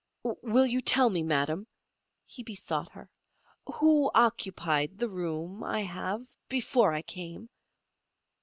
"Will you tell me, madam," he besought her, "who occupied the room I have before I came?"